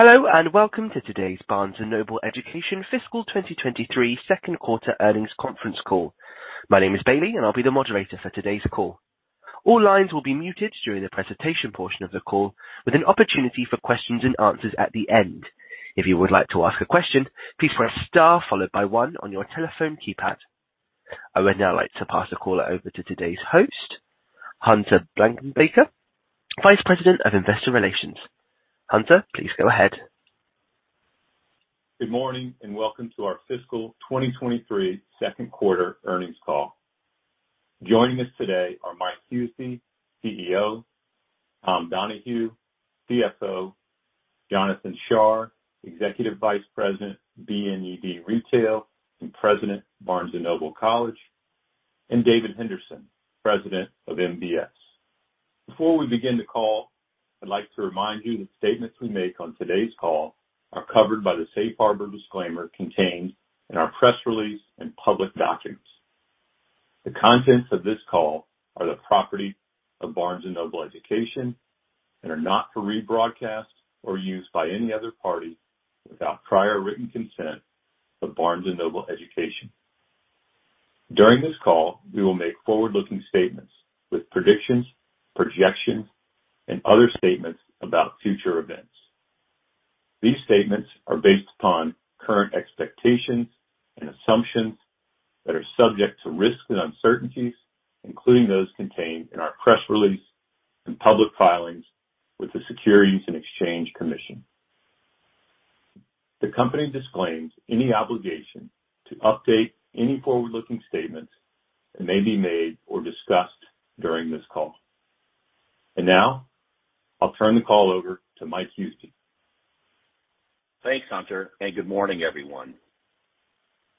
Hello, welcome to today's Barnes & Noble Education fiscal 2023 second quarter earnings conference call. My name is Bailey, and I'll be the moderator for today's call. All lines will be muted during the presentation portion of the call, with an opportunity for questions-and-answers at the end. If you would like to ask a question, please press star followed by one on your telephone keypad. I would now like to pass the call over to today's host, Hunter Blankenbaker, Vice President of Investor Relations. Hunter, please go ahead. Good morning, and welcome to our fiscal 2023 second quarter earnings call. Joining us today are Mike Huseby, CEO, Tom Donohue, CFO, Jonathan Shar, Executive Vice President, BNED Retail, and President, Barnes & Noble College, and David Henderson, President of MBS. Before we begin the call, I'd like to remind you that statements we make on today's call are covered by the safe harbor disclaimer contained in our press release and public documents. The contents of this call are the property of Barnes & Noble Education and are not for rebroadcast or used by any other party without prior written consent of Barnes & Noble Education. During this call, we will make forward-looking statements with predictions, projections, and other statements about future events. These statements are based upon current expectations and assumptions that are subject to risks and uncertainties, including those contained in our press release and public filings with the Securities and Exchange Commission. The company disclaims any obligation to update any forward-looking statements that may be made or discussed during this call. Now, I'll turn the call over to Mike Huseby. Thanks, Hunter. Good morning, everyone.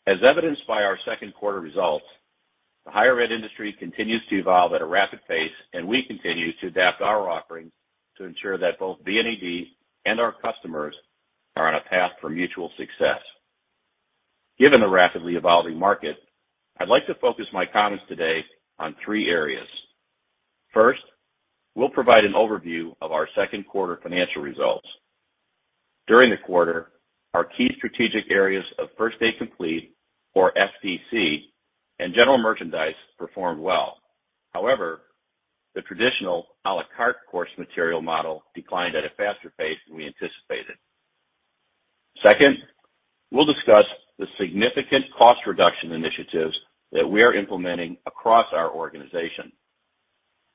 As evidenced by our second quarter results, the higher ed industry continues to evolve at a rapid pace. We continue to adapt our offerings to ensure that both BNED and our customers are on a path for mutual success. Given the rapidly evolving market, I'd like to focus my comments today on three areas. First, we'll provide an overview of our second quarter financial results. During the quarter, our key strategic areas of First Day Complete, or FDC, and general merchandise performed well. However, A La Carte course material model declined at a faster pace than we anticipated. Second, we'll discuss the significant cost reduction initiatives that we are implementing across our organization.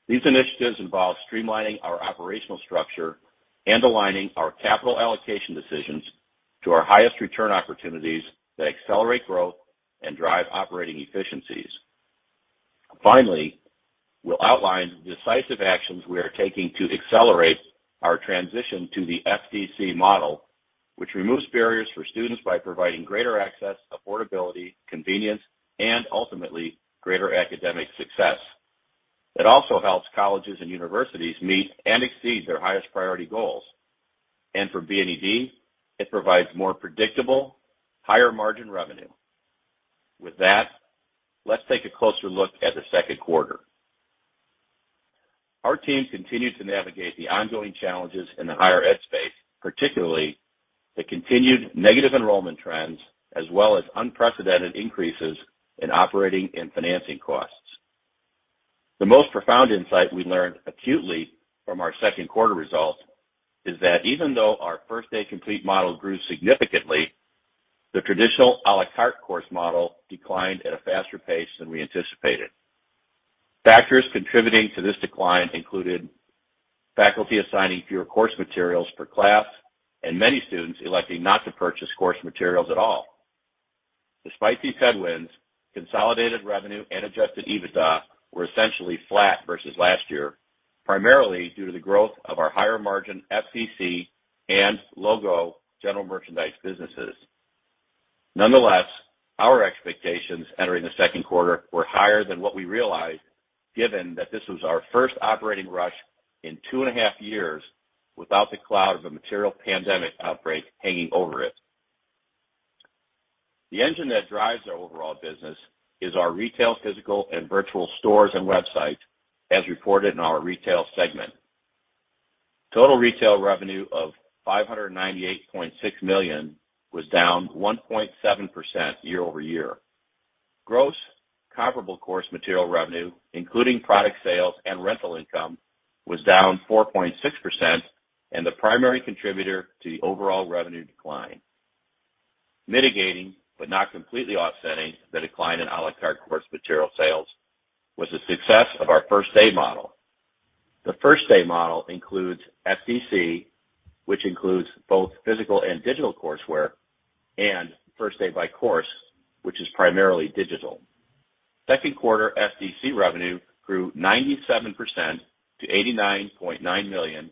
These initiatives involve streamlining our operational structure and aligning our capital allocation decisions to our highest return opportunities that accelerate growth and drive operating efficiencies. Finally, we'll outline the decisive actions we are taking to accelerate our transition to the FDC model, which removes barriers for students by providing greater access, affordability, convenience, and ultimately greater academic success. It also helps colleges and universities meet and exceed their highest priority goals. For BNED, it provides more predictable, higher margin revenue. With that, let's take a closer look at the second quarter. Our team continued to navigate the ongoing challenges in the higher Ed space, particularly the continued negative enrollment trends as well as unprecedented increases in operating and financing costs. The most profound insight we learned acutely from our second quarter results is that even though our First Day Complete model grew significantly, A La Carte course model declined at a faster pace than we anticipated. Factors contributing to this decline included faculty assigning fewer course materials per class and many students electing not to purchase course materials at all. Despite these headwinds, consolidated revenue and Adjusted EBITDA were essentially flat versus last year, primarily due to the growth of our higher margin FDC and logo general merchandise businesses. Nonetheless, our expectations entering the second quarter were higher than what we realized, given that this was our first operating rush in 2.5 years without the cloud of a material pandemic outbreak hanging over it. The engine that drives our overall business is our retail physical and virtual stores and websites, as reported in our retail segment. Total retail revenue of $598.6 million was down 1.7% year-over-year. Gross comparable course material revenue, including product sales and rental income, was down 4.6% and the primary contributor to the overall revenue decline. Mitigating, but not completely offsetting the decline in A La Carte course material sales was the success of our First Day model. The First Day model includes FDC, which includes both physical and digital courseware, and First Day by Course, which is primarily digital. Second quarter FDC revenue grew 97% to $89.9 million,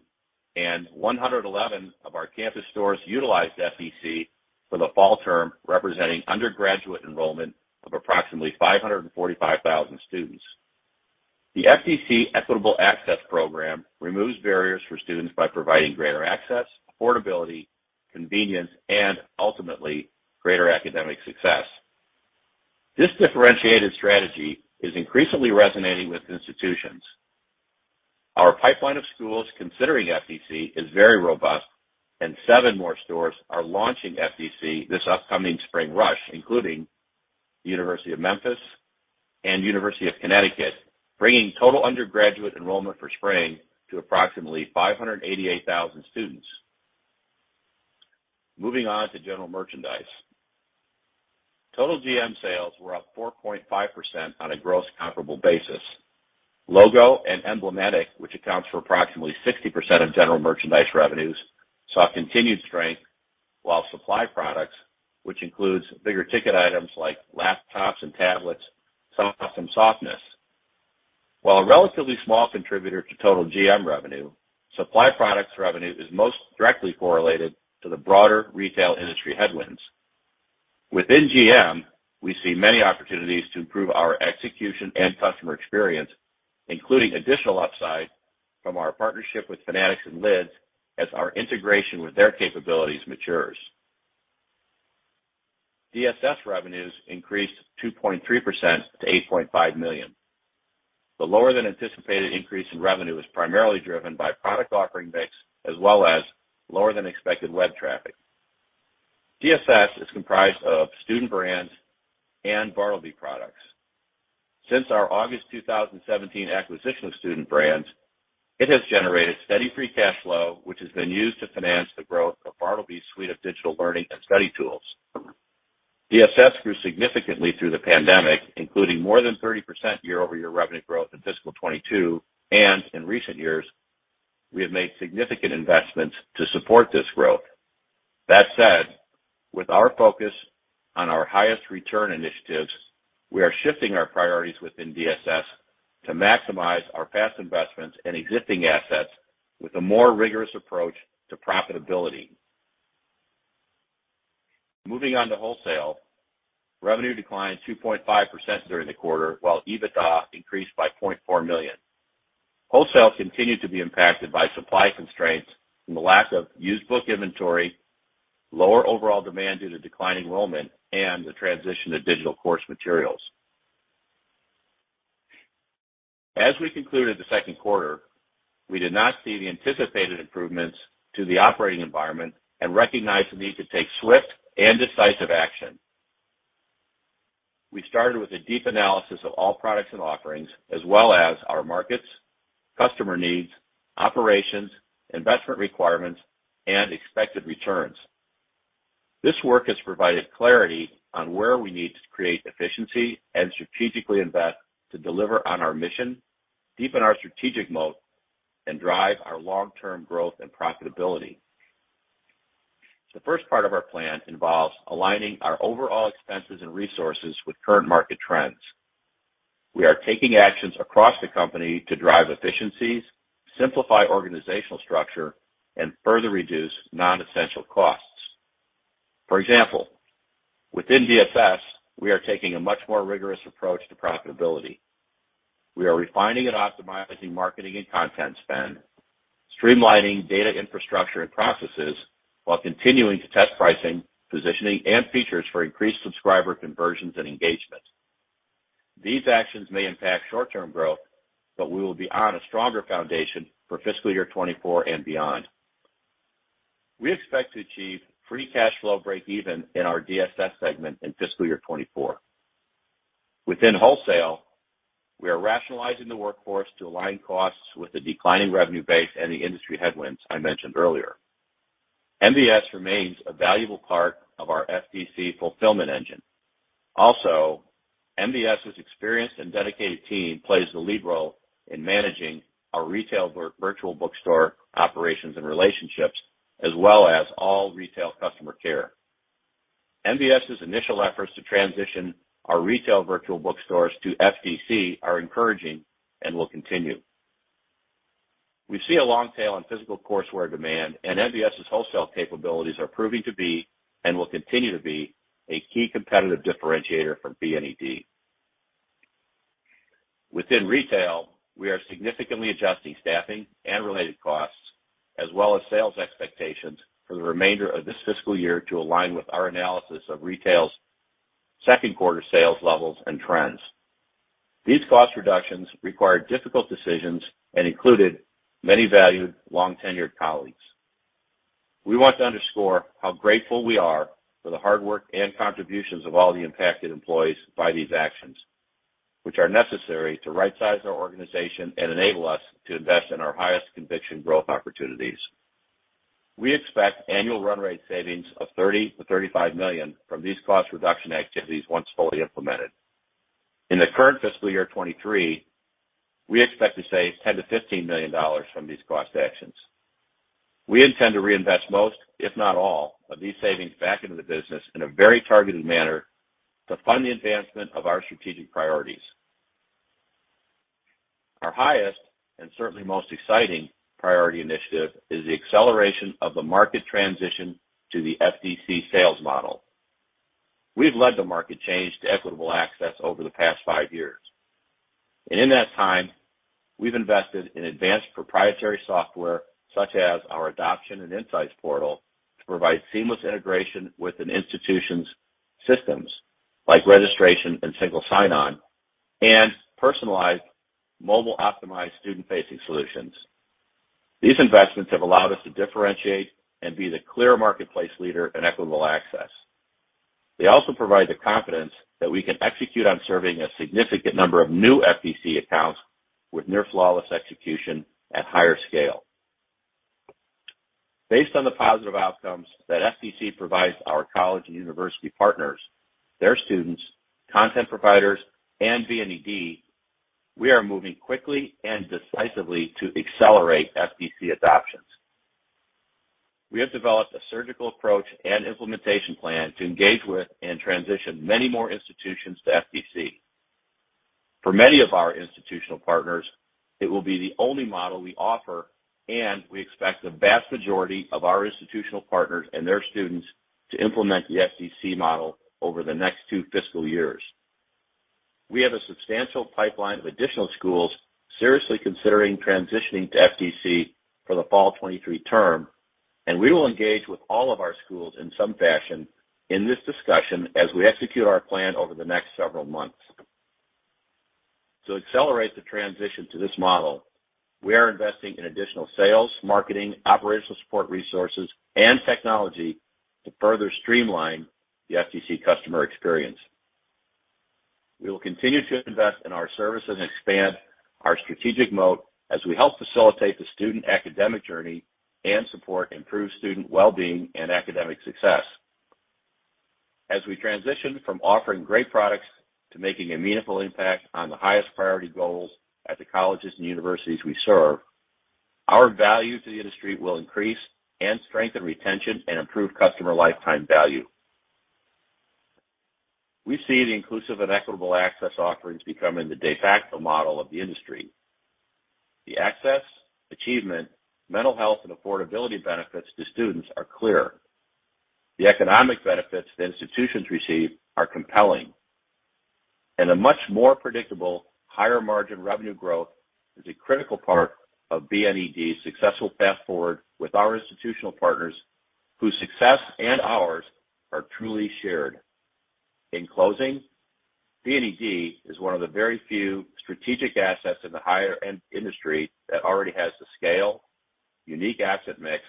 and 111 of our campus stores utilized FDC for the fall term, representing undergraduate enrollment of approximately 545,000 students. The FDC Equitable Access Program removes barriers for students by providing greater access, affordability, convenience, and ultimately greater academic success. This differentiated strategy is increasingly resonating with institutions. Our pipeline of schools considering FDC is very robust, and seven more stores are launching FDC this upcoming spring rush, including the University of Memphis and University of Connecticut, bringing total undergraduate enrollment for spring to approximately 588,000 students. Moving on to general merchandise. Total GM sales were up 4.5% on a gross comparable basis. Logo and emblematic, which accounts for approximately 60% of general merchandise revenues, saw continued strength, while supply products, which includes bigger ticket items like laptops and tablets, saw some softness. While a relatively small contributor to total GM revenue, supply products revenue is most directly correlated to the broader retail industry headwinds. Within GM, we see many opportunities to improve our execution and customer experience, including additional upside from our partnership with Fanatics and Lids as our integration with their capabilities matures. DSS revenues increased 2.3% to $8.5 million. The lower than anticipated increase in revenue was primarily driven by product offering mix as well as lower than expected web traffic. DSS is comprised of Student Brands and Bartleby products. Since our August 2017 acquisition of Student Brands, it has generated steady free cash flow, which has been used to finance the growth of Bartleby's suite of digital learning and study tools. DSS grew significantly through the pandemic, including more than 30% year-over-year revenue growth in fiscal 2022, and in recent years, we have made significant investments to support this growth. That said, with our focus on our highest return initiatives, we are shifting our priorities within DSS to maximize our past investments and existing assets with a more rigorous approach to profitability. Moving on to wholesale. Revenue declined 2.5% during the quarter, while EBITDA increased by $0.4 million. Wholesale continued to be impacted by supply constraints from the lack of used book inventory, lower overall demand due to declining enrollment, and the transition to digital course materials. As we concluded the second quarter, we did not see the anticipated improvements to the operating environment and recognized the need to take swift and decisive action. We started with a deep analysis of all products and offerings as well as our markets, customer needs, operations, investment requirements, and expected returns. This work has provided clarity on where we need to create efficiency and strategically invest to deliver on our mission, deepen our strategic mode, and drive our long-term growth and profitability. The first part of our plan involves aligning our overall expenses and resources with current market trends. We are taking actions across the company to drive efficiencies, simplify organizational structure, and further reduce non-essential costs. For example, within DSS, we are taking a much more rigorous approach to profitability. We are refining and optimizing marketing and content spend, streamlining data infrastructure and processes while continuing to test pricing, positioning, and features for increased subscriber conversions and engagement. These actions may impact short-term growth, but we will be on a stronger foundation for fiscal year 2024 and beyond. We expect to achieve free cash flow breakeven in our DSS segment in fiscal year 2024. Within wholesale, we are rationalizing the workforce to align costs with the declining revenue base and the industry headwinds I mentioned earlier. MBS remains a valuable part of our FDC fulfillment engine. Also, MBS's experienced and dedicated team plays the lead role in managing our retail virtual bookstore operations and relationships, as well as all retail customer care. MBS's initial efforts to transition our retail virtual bookstores to FDC are encouraging and will continue. We see a long tail in physical courseware demand, and MBS's wholesale capabilities are proving to be and will continue to be a key competitive differentiator for BNED. Within retail, we are significantly adjusting staffing and related costs as well as sales expectations for the remainder of this fiscal year to align with our analysis of retail's second quarter sales levels and trends. These cost reductions require difficult decisions and included many valued long-tenured colleagues. We want to underscore how grateful we are for the hard work and contributions of all the impacted employees by these actions, which are necessary to right-size our organization and enable us to invest in our highest conviction growth opportunities. We expect annual run rate savings of $30 million-$35 million from these cost reduction activities once fully implemented. In the current fiscal year 2023, we expect to save $10 million-$15 million from these cost actions. We intend to reinvest most, if not all, of these savings back into the business in a very targeted manner to fund the advancement of our strategic priorities. Our highest, and certainly most exciting priority initiative, is the acceleration of the market transition to the FDC sales model. We've led the market change to equitable access over the past five years. In that time, we've invested in advanced proprietary software such as our Adoption and Insights Portal to provide seamless integration with an institution's systems like registration and single sign-on and personalized mobile-optimized student-facing solutions. These investments have allowed us to differentiate and be the clear marketplace leader in equitable access. They also provide the confidence that we can execute on serving a significant number of new FDC accounts with near flawless execution at higher scale. Based on the positive outcomes that FDC provides our college and university partners, their students, content providers, and BNED, we are moving quickly and decisively to accelerate FDC adoptions. We have developed a surgical approach and implementation plan to engage with and transition many more institutions to FDC. For many of our institutional partners, it will be the only model we offer, and we expect the vast majority of our institutional partners and their students to implement the FDC model over the next two fiscal years. We have a substantial pipeline of additional schools seriously considering transitioning to FDC for the fall 2023 term, and we will engage with all of our schools in some fashion in this discussion as we execute our plan over the next several months. To accelerate the transition to this model, we are investing in additional sales, marketing, operational support resources, and technology to further streamline the FDC customer experience. We will continue to invest in our service and expand our strategic moat as we help facilitate the student academic journey and support improved student well-being and academic success. As we transition from offering great products to making a meaningful impact on the highest priority goals at the colleges and universities we serve, our value to the industry will increase and strengthen retention and improve customer lifetime value. We see the inclusive and equitable access offerings becoming the De facto model of the industry. The access, achievement, mental health, and affordability benefits to students are clear. The economic benefits the institutions receive are compelling. A much more predictable higher margin revenue growth is a critical part of BNED's successful path forward with our institutional partners, whose success and ours are truly shared. In closing, BNED is one of the very few strategic assets in the higher ed industry that already has the scale, unique asset mix,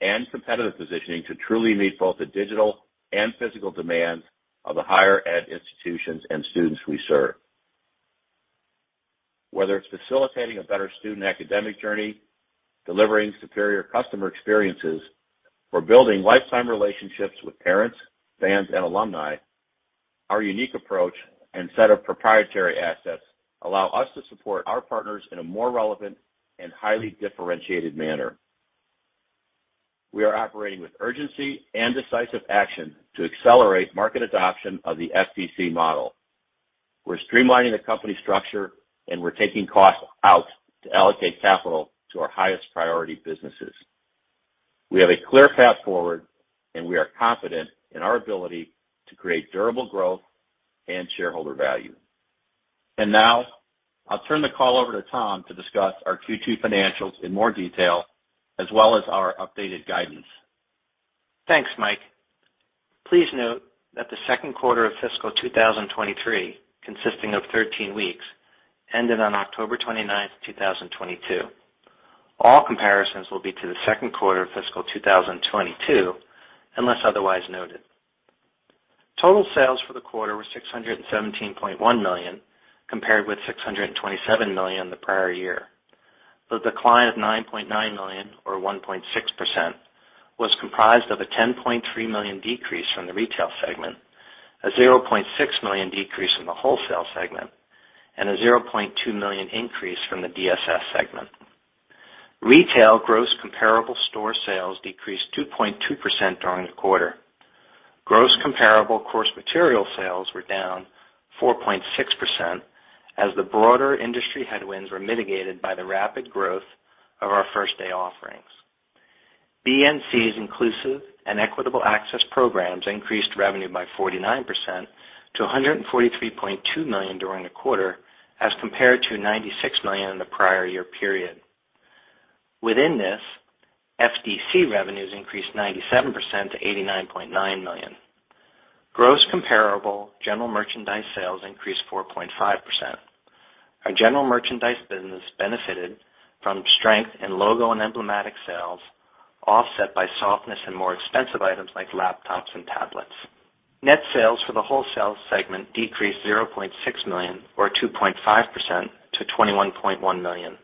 and competitive positioning to truly meet both the digital and physical demands of the higher Ed institutions and students we serve. Whether it's facilitating a better student academic journey, delivering superior customer experiences, or building lifetime relationships with parents, fans, and alumni, our unique approach and set of proprietary assets allow us to support our partners in a more relevant and highly differentiated manner. We are operating with urgency and decisive action to accelerate market adoption of the FDC model. We're streamlining the company structure, and we're taking costs out to allocate capital to our highest priority businesses. We have a clear path forward, and we are confident in our ability to create durable growth and shareholder value. Now I'll turn the call over to Tom to discuss our Q2 financials in more detail, as well as our updated guidance. Thanks, Mike. Please note that the second quarter of fiscal 2023, consisting of 13 weeks, ended on October 29th, 2022. All comparisons will be to the second quarter of fiscal 2022, unless otherwise noted. Total sales for the quarter were $617.1 million, compared with $627 million the prior year. The decline of $9.9 million or 1.6% was comprised of a $10.3 million decrease from the retail segment, a $0.6 million decrease in the wholesale segment, and a $0.2 million increase from the DSS segment. Retail gross comparable store sales decreased 2.2% during the quarter. Gross comparable course material sales were down 4.6% as the broader industry headwinds were mitigated by the rapid growth of our First Day offerings. BNC's inclusive and equitable access programs increased revenue by 49% to $143.2 million during the quarter as compared to $96 million in the prior year period. Within this, FDC revenues increased 97% to $89.9 million. Gross comparable general merchandise sales increased 4.5%. Our general merchandise business benefited from strength in logo and emblematic sales, offset by softness in more expensive items like laptops and tablets. Net sales for the wholesale segment decreased $0.6 million or 2.5% to $21.1 million.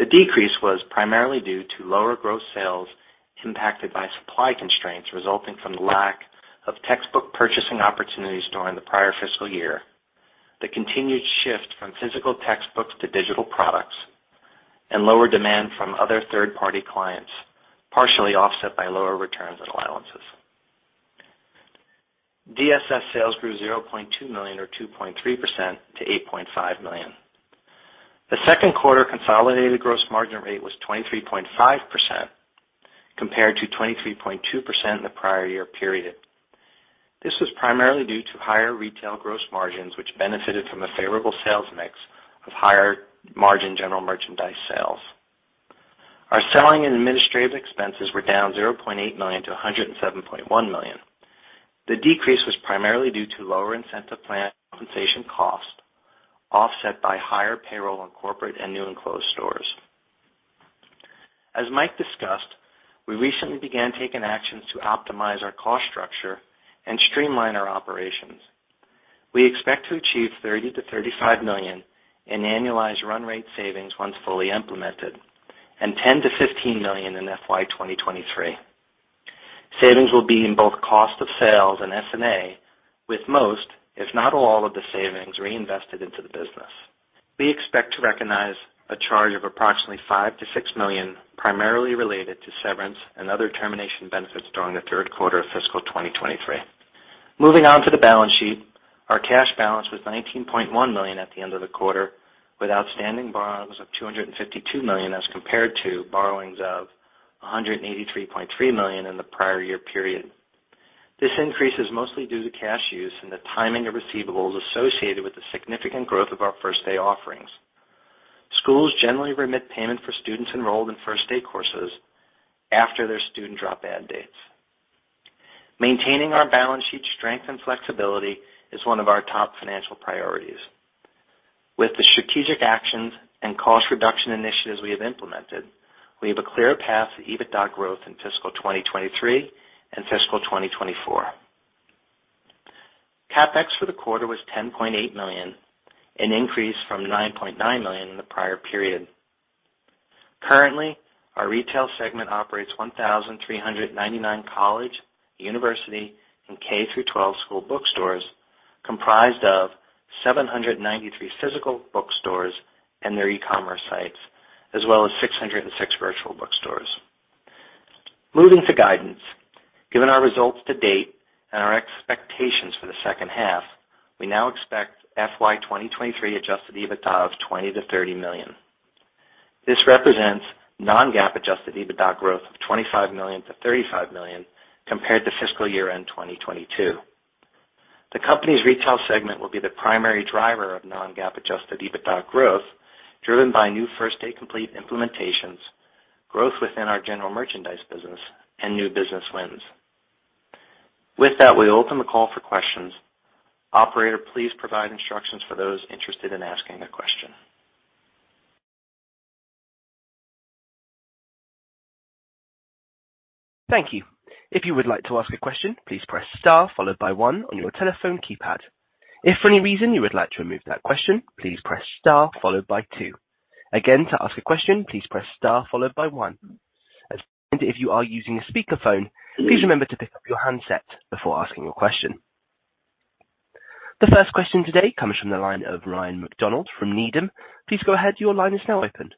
The decrease was primarily due to lower gross sales impacted by supply constraints resulting from the lack of textbook purchasing opportunities during the prior fiscal year, the continued shift from physical textbooks to digital products, and lower demand from other third-party clients, partially offset by lower returns and allowances. DSS sales grew $0.2 million or 2.3% to $8.5 million. The second quarter consolidated gross margin rate was 23.5% compared to 23.2% in the prior year period. This was primarily due to higher retail gross margins, which benefited from a favorable sales mix of higher margin general merchandise sales. Our selling and administrative expenses were down $0.8 million-$107.1 million. The decrease was primarily due to lower incentive plan compensation cost, offset by higher payroll and corporate and new and closed stores. As Mike discussed, we recently began taking actions to optimize our cost structure and streamline our operations. We expect to achieve $30 million-$35 million in annualized run rate savings once fully implemented, and $10 million-$15 million in FY 2023. Savings will be in both cost of sales and SG&A, with most, if not all, of the savings reinvested into the business. We expect to recognize a charge of approximately $5 million-$6 million, primarily related to severance and other termination benefits during the third quarter of fiscal 2023. Moving on to the balance sheet. Our cash balance was $19.1 million at the end of the quarter, with outstanding borrowings of $252 million as compared to borrowings of $183.3 million in the prior year period. This increase is mostly due to cash use and the timing of receivables associated with the significant growth of our First Day offerings. Schools generally remit payment for students enrolled in First Day courses after their student drop add dates. Maintaining our balance sheet strength and flexibility is one of our top financial priorities. With the strategic actions and cost reduction initiatives we have implemented, we have a clear path to EBITDA growth in fiscal 2023 and fiscal 2024. CapEx for the quarter was $10.8 million, an increase from $9.9 million in the prior period. Currently, our retail segment operates 1,399 college, university, and K-12 school bookstores comprised of 793 physical bookstores and their e-commerce sites, as well as 606 virtual bookstores. Moving to guidance. Given our results to-date and our expectations for the second half, we now expect FY 2023 Adjusted EBITDA of $20 million-$30 million. This represents non-GAAP Adjusted EBITDA growth of $25 million-$35 million compared to fiscal year end 2022. The company's retail segment will be the primary driver of non-GAAP Adjusted EBITDA growth, driven by new First Day Complete implementations, growth within our general merchandise business, and new business wins. With that, we open the call for questions. Operator, please provide instructions for those interested in asking a question. Thank you. If you would like to ask a question, please press star followed by one on your telephone keypad. If for any reason you would like to remove that question, please press star followed by two. Again, to ask a question, please press star followed by one. If you are using a speakerphone, please remember to pick up your handset before asking your question. The first question today comes from the line of Ryan MacDonald from Needham. Please go ahead. Your line is now open.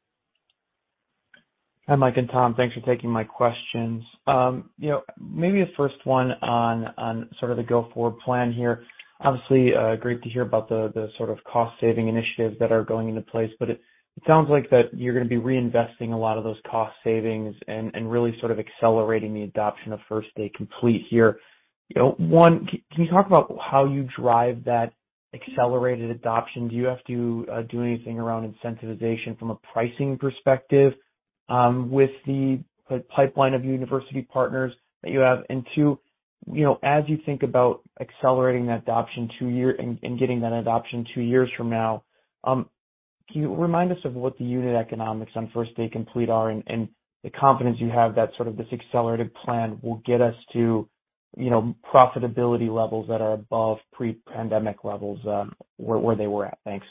Hi, Mike and Tom. Thanks for taking my questions. You know, maybe the first one on sort of the go forward plan here. Obviously, great to hear about the sort of cost saving initiatives that are going into place. It sounds like that you're gonna be reinvesting a lot of those cost savings and really sort of accelerating the adoption of First Day Complete here. You know, one, can you talk about how you drive that accelerated adoption? Do you have to do anything around incentivization from a pricing perspective with the pipeline of university partners that you have? Two, you know, as you think about accelerating that adoption two year and getting that adoption two years from now, can you remind us of what the unit economics on First Day Complete are and the confidence you have that sort of this accelerated plan will get us to, you know, profitability levels that are above pre-pandemic levels, where they were at? Thanks.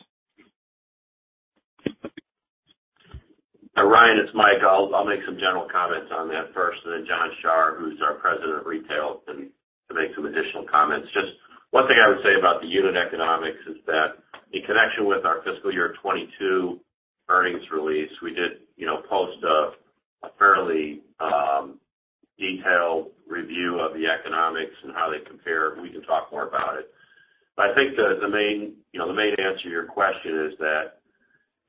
Ryan, it's Mike. I'll make some general comments on that first, and then Jonathan Shar, who's our President of Retail, can make some additional comments. Just one thing I would say about the unit economics is that in connection with our fiscal year 2022 earnings release, we did, you know, post a fairly detailed review of the economics and how they compare. I think the main, you know, the main answer to your question is that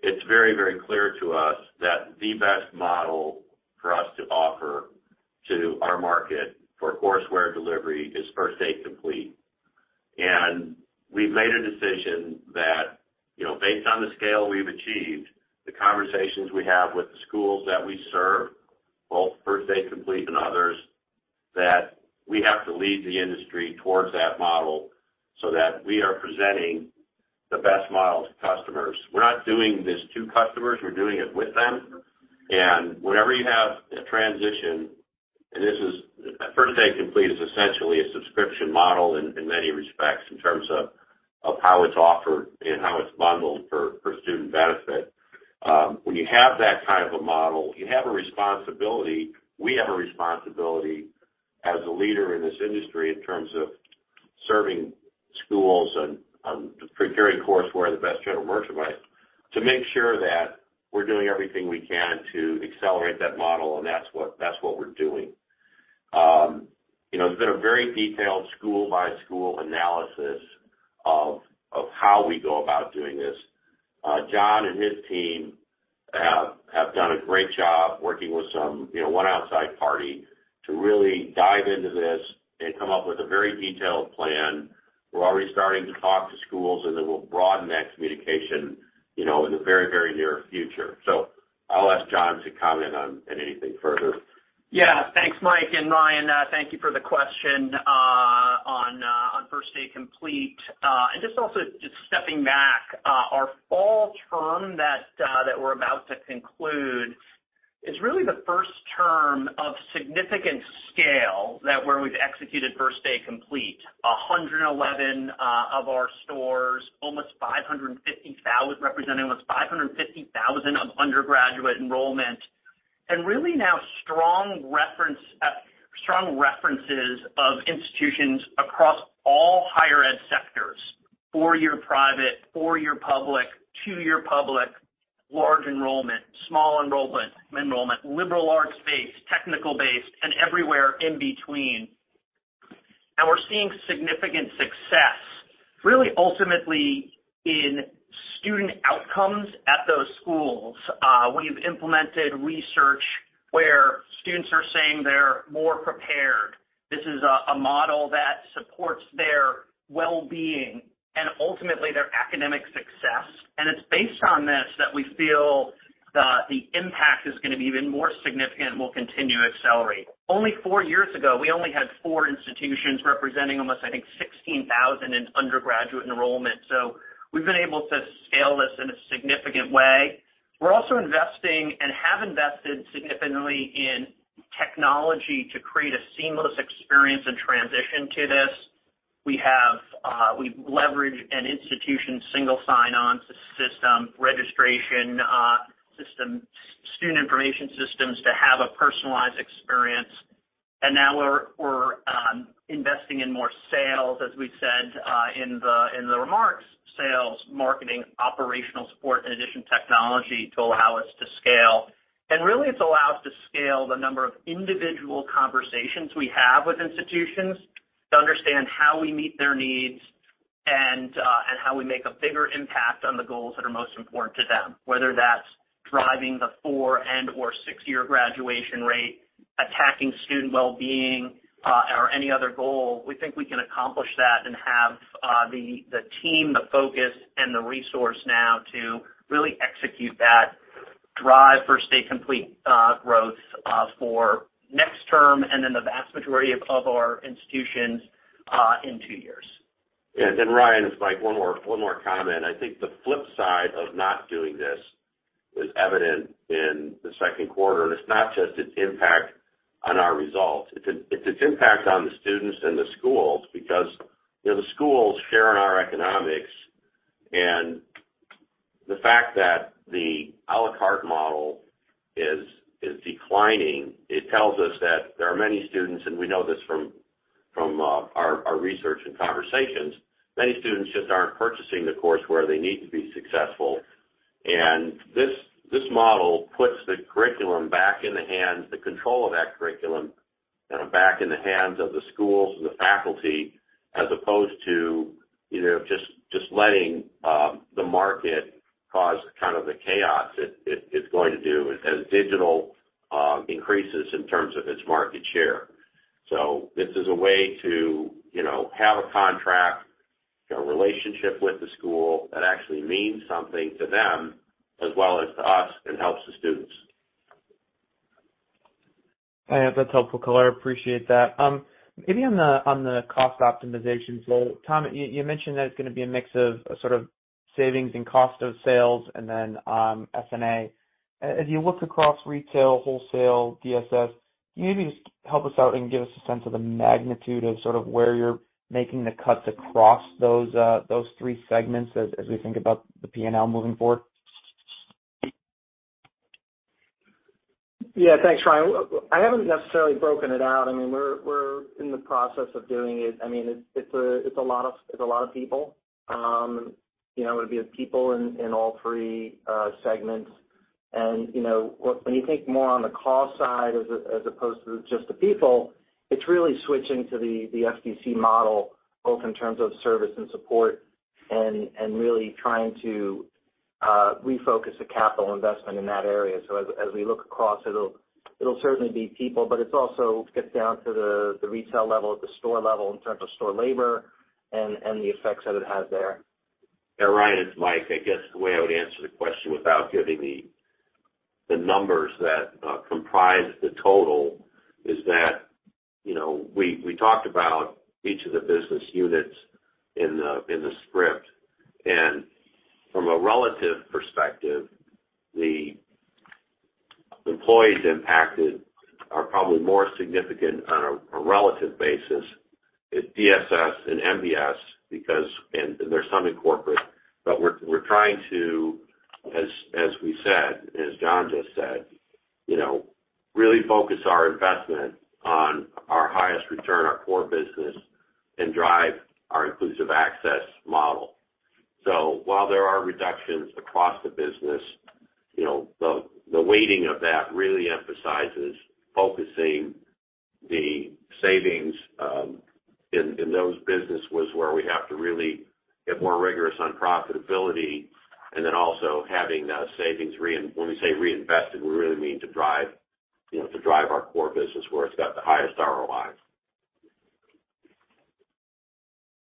it's very, very clear to us that the best model for us to offer to our market for courseware delivery is First Day Complete. We've made a decision that, you know, based on the scale we've achieved, the conversations we have with the schools that we serve, both First Day Complete and others, that we have to lead the industry towards that model so that we are presenting the best model to customers. We're not doing this to customers, we're doing it with them. Whenever you have a transition, First Day Complete is essentially a subscription model in many respects in terms of how it's offered and how it's bundled for student benefit. When you have that type of a model, you have a responsibility. We have a responsibility as a leader in this industry in terms of serving schools and preparing courseware, the best general merchandise, to make sure that we're doing everything we can to accelerate that model. That's what we're doing. You know, there's been a very detailed school-by-school analysis of how we go about doing this. John and his team have done a great job working with some, you know, one outside party to really dive into this and come up with a very detailed plan. We're already starting to talk to schools, and then we'll broaden that communication, you know, in the very, very near future. I'll ask John to comment on anything further. Yeah. Thanks, Mike. Ryan, thank you for the question, on First Day Complete. Just also just stepping back, our fall term that we're about to conclude is really the first term of significant scale that where we've executed First Day Complete. 111 of our stores, representing almost 550,000 of undergraduate enrollment. Really now strong references of institutions across all higher Ed sectors, four-year private, four-year public, two-year public, large enrollment, small enrollment, liberal arts-based, technical-based, and everywhere in between. We're seeing significant success, really ultimately in student outcomes at those schools. We've implemented research where students are saying they're more prepared. This is a model that supports their well-being and ultimately their academic success. It's based on this that we feel that the impact is gonna be even more significant and will continue to accelerate. Only four years ago, we only had four institutions representing almost, I think, 16,000 in undergraduate enrollment. We've been able to scale this in a significant way. We're also investing and have invested significantly in technology to create a seamless experience and transition to this. We have, we've leveraged an institution single sign-on system, registration system, student information systems to have a personalized experience. Now we're investing in more sales, as we said, in the remarks, sales, marketing, operational support, in addition technology to allow us to scale. Really, it's allowed us to scale the number of individual conversations we have with institutions to understand how we meet their needs and how we make a bigger impact on the goals that are most important to them, whether that's driving the 4- and/or 6-year graduation rate, attacking student well-being, or any other goal. We think we can accomplish that and have the team, the focus, and the resource now to really execute that drive First Day Complete growth for next term and then the vast majority of our institutions in two years. Yeah. Ryan, it's Mike, one more comment. I think the flip side of not doing this is evident in the second quarter. It's not just its impact on our results. It's its impact on the students and the schools because, you know, the schools share in our economics. The fact that the A La Carte model is declining, it tells us that there are many students, we know this from our research and conversations, many students just aren't purchasing the course where they need to be successful. This model puts the curriculum back in the hands, the control of that curriculum, kind of back in the hands of the schools and the faculty, as opposed to, you know, just letting the market cause kind of the chaos it's going to do as digital increases in terms of its market share. This is a way to, you know, have a contract, a relationship with the school that actually means something to them as well as to us and helps the students. Yeah. That's helpful color. Appreciate that. Maybe on the cost optimization role, Tom, you mentioned that it's gonna be a mix of sort of savings and cost of sales and then S&A. As you look across retail, wholesale, DSS, can you maybe just help us out and give us a sense of the magnitude of sort of where you're making the cuts across those three segments as we think about the P&L moving forward? Yeah. Thanks, Ryan. I haven't necessarily broken it out. I mean, we're in the process of doing it. I mean, it's a lot of people. You know, it'd be people in all three segments. You know, when you think more on the cost side as opposed to just the people, it's really switching to the FDC model, both in terms of service and support and really trying to refocus the capital investment in that area. As we look across, it'll certainly be people, but it's also gets down to the retail level, at the store level in terms of store labor and the effects that it has there. Yeah, Ryan, it's Mike. I guess the way I would answer the question without giving the numbers that comprise the total is that, you know, we talked about each of the business units in the script. From a relative perspective, the employees impacted are probably more significant on a relative basis at DSS and MBS because there's some in corporate. We're trying to, as we said, as John just said, you know, really focus our investment on our highest return, our core business, and drive our inclusive access model. While there are reductions across the business, you know, the weighting of that really emphasizes focusing the savings in those business was where we have to really get more rigorous on profitability and then also having those savings and when we say reinvested, we really mean to drive, you know, to drive our core business where it's got the highest ROIs.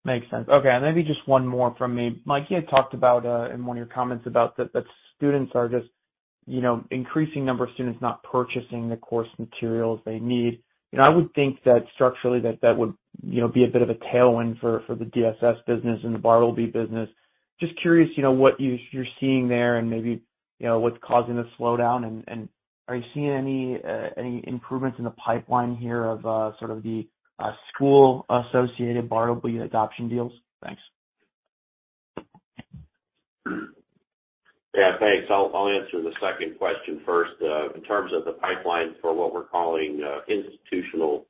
Makes sense. Okay. Maybe just one more from me. Mike, you had talked about, in one of your comments about that students are just, you know, increasing number of students not purchasing the course materials they need. You know, I would think that structurally that that would, you know, be a bit of a tailwind for the DSS business and the bartleby business. Just curious, you know, what you're seeing there and maybe, you know, what's causing the slowdown and, are you seeing any improvements in the pipeline here of, sort of the, school associated bartleby adoption deals? Thanks. Yeah, thanks. I'll answer the second question first. In terms of the pipeline for what we're calling institutional,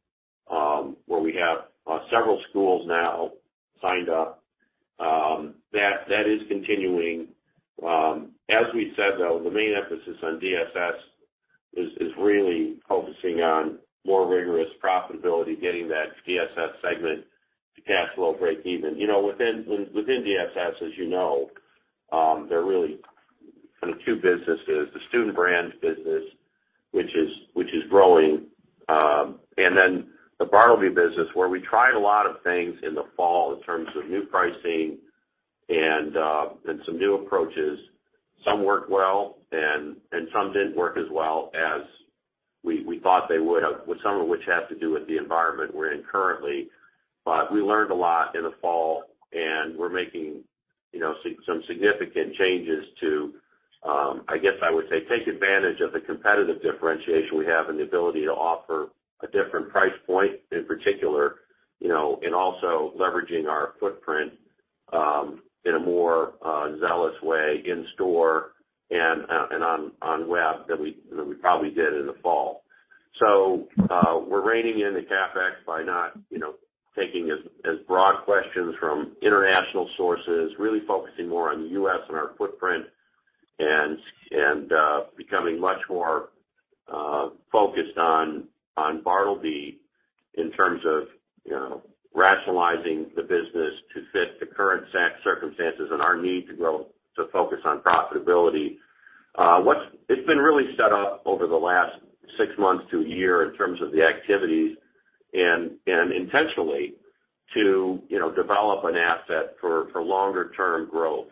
where we have several schools now signed up, that is continuing. As we said, though, the main emphasis on DSS is really focusing on more rigorous profitability, getting that DSS segment to cash flow break even. You know, within DSS, as you know, they're really kind of two businesses, the Student Brands business, which is growing. Then the bartleby business, where we tried a lot of things in the fall in terms of new pricing and some new approaches. Some worked well and some didn't work as well as we thought they would have, with some of which has to do with the environment we're in currently. We learned a lot in the fall, and we're making, you know, some significant changes to, I guess I would say, take advantage of the competitive differentiation we have and the ability to offer a different price point in particular, you know, and also leveraging our footprint in a more zealous way in store and on web than we probably did in the fall. We're reining in the CapEx by not, you know, taking as broad questions from international sources, really focusing more on the U.S. and our footprint and becoming much more focused on bartleby in terms of, you know, rationalizing the business to fit the current set circumstances and our need to grow, to focus on profitability. What's been really set up over the last six months to one year in terms of the activities and intentionally to, you know, develop an asset for longer term growth.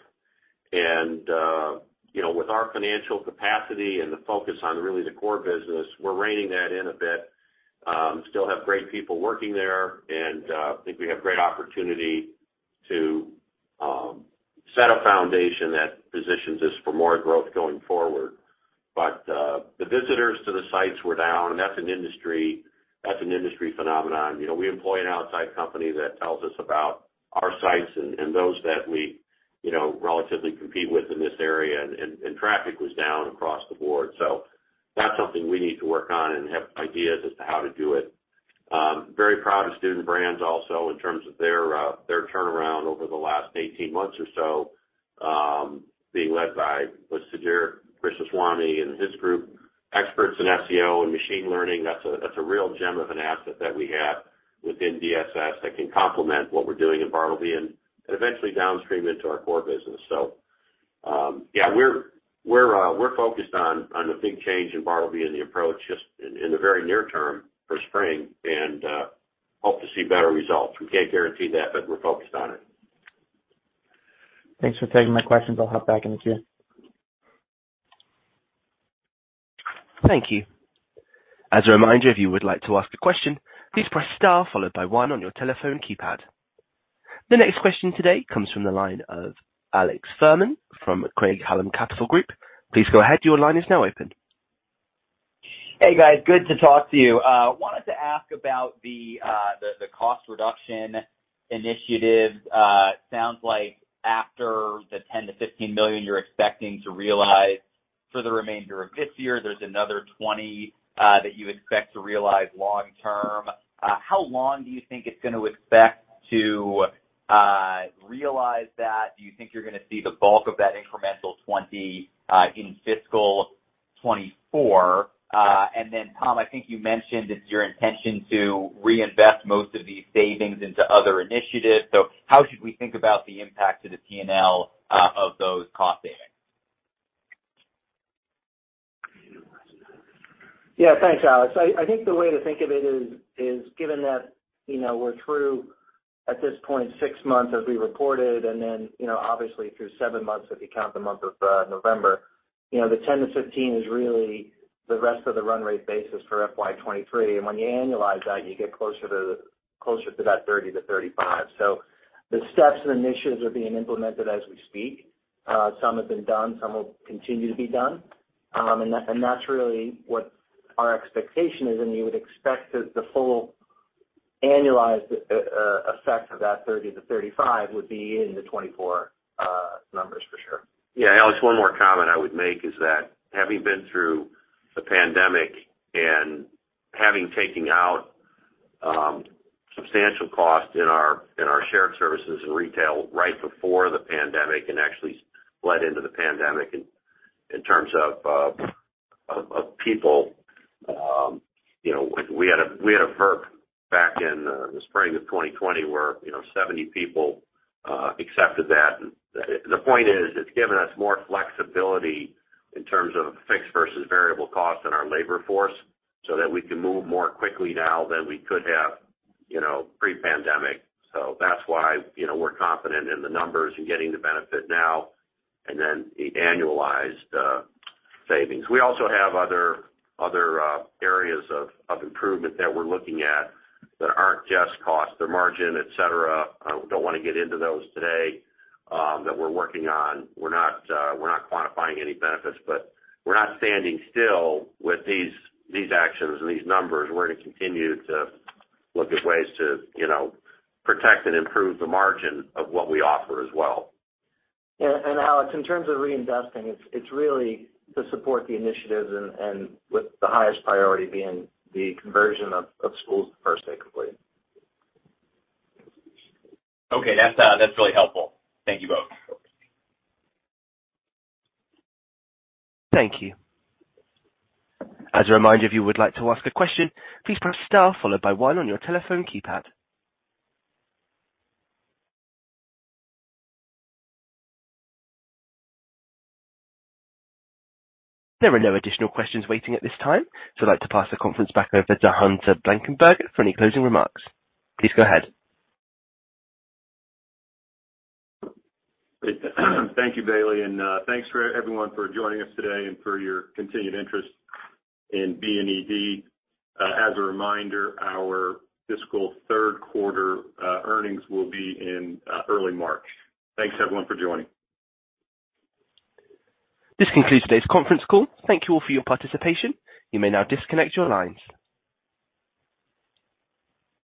You know, with our financial capacity and the focus on really the core business, we're reigning that in a bit. Still have great people working there, and think we have great opportunity to set a foundation that positions us for more growth going forward. The visitors to the sites were down, and that's an industry phenomenon. You know, we employ an outside company that tells us about our sites and those that we, you know, relatively compete with in this area. Traffic was down across the board. That's something we need to work on and have ideas as to how to do it. Very proud of Student Brands also in terms of their turnaround over the last 18 months or so, being led by Sudheer Krishnaswamy and his group, experts in SEO and machine learning. That's a real gem of an asset that we have within DSS that can complement what we're doing in bartleby and eventually downstream into our core business. Yeah, we're focused on the big change in bartleby and the approach just in the very near term for spring and hope to see better results. We can't guarantee that, we're focused on it. Thanks for taking my questions. I'll hop back in the queue. Thank you. As a reminder, if you would like to ask a question, please press star followed by one on your telephone keypad. The next question today comes from the line of Alex Fuhrman from Craig-Hallum Capital Group. Please go ahead. Your line is now open. Hey, guys. Good to talk to you. Wanted to ask about the cost reduction initiative. Sounds like after the $10 million-$15 million you're expecting to realize for the remainder of this year, there's another $20 million that you expect to realize long term. How long do you think it's gonna expect to realize that? Do you think you're gonna see the bulk of that incremental $20 million in fiscal 2024? Tom, I think you mentioned it's your intention to reinvest most of these savings into other initiatives. How should we think about the impact to the P&L of those cost savings? Yeah. Thanks, Alex. I think the way to think of it is given that, you know, we're through, at this point, six months as we reported, and then, you know, obviously through seven months, if you count the month of November. The $10-$15 is really the rest of the run rate basis for FY 2023. When you annualize that, you get closer to that $30-$35. The steps and initiatives are being implemented as we speak. Some have been done, some will continue to be done and that's really what our expectation is, and you would expect the full annualized effect of that $30-$35 would be in the 2024 numbers for sure. Yeah, Alex, one more comment I would make is that having been through the pandemic and having taking out substantial cost in our, in our shared services and retail right before the pandemic and actually bled into the pandemic in terms of people. You know, we had a, we had a VERP back in the spring of 2020 where, you know, 70 people accepted that. The point is, it's given us more flexibility in terms of fixed versus variable costs in our labor force so that we can move more quickly now than we could have, you know, pre-pandemic. That's why, you know, we're confident in the numbers and getting the benefit now and then the annualized savings. We also have other areas of improvement that we're looking at that aren't just cost. They're margin, et cetera. I don't want to get into those today, that we're working on. We're not quantifying any benefits. We're not standing still with these actions and these numbers. We're going to continue to look at ways to, you know, protect and improve the margin of what we offer as well. Alex, in terms of reinvesting, it's really to support the initiatives and with the highest priority being the conversion of schools the First Day Complete. Okay. That's, that's really helpful. Thank you both. Thank you. As a reminder, if you would like to ask a question, please press star followed by one on your telephone keypad. There are no additional questions waiting at this time. I'd like to pass the conference back over to Hunter Blankenbaker for any closing remarks. Please go ahead. Thank you, Bailey, and thanks for everyone for joining us today and for your continued interest in BNED. As a reminder, our fiscal third quarter earnings will be in early March. Thanks everyone for joining. This concludes today's conference call. Thank you all for your participation. You may now disconnect your lines.